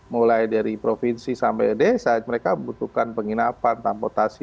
mulai dari provinsi sampai desa mereka membutuhkan penginapan tarpotasi